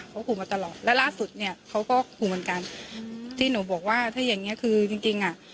เขาขู่มาตลอดแล้วล่าสุดเนี้ยเขาก็ขู่เหมือนกันที่หนูบอกว่าถ้าอย่างเงี้คือจริงจริงอ่ะ